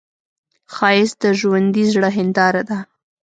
ښایست د ژوندي زړه هنداره ده